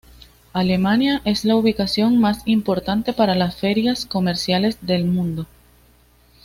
Alemania es la ubicación más importante para las ferias comerciales del mundo.